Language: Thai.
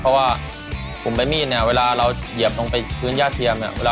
เพราะว่ากลุ่มใบมีดเนี่ยเวลาเราเหยียบลงไปพื้นย่าเทียมเนี่ย